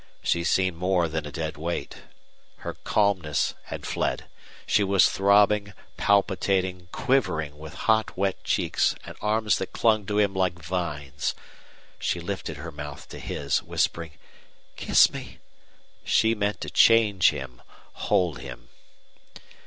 She seemed more than a dead weight. Her calmness had fled. She was throbbing, palpitating, quivering, with hot wet cheeks and arms that clung to him like vines. She lifted her mouth to his, whispering, "Kiss me!" She meant to change him, hold him.